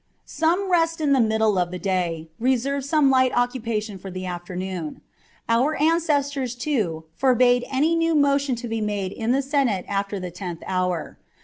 Some rest in the middle of the day, and re serve some light occupation for the afternoon. Our an cestors, too, forbade any new motion to be made in the Senate after the tenth hour.